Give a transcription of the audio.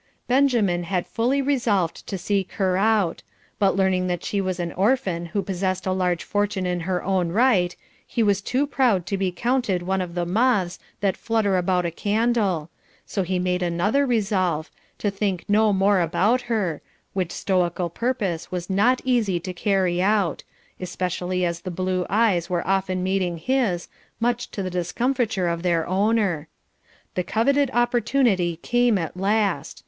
Benjamin had fully resolved to seek her out, but learning that she was an orphan who possessed a large fortune in her own right, he was too proud to be counted one of the moths that flutter about a candle, so he made another resolve, to think no more about her, which stoical purpose was not easy to carry out, especially as the blue eyes were often meeting his, much to the discomfiture of their owner. The coveted opportunity came at last.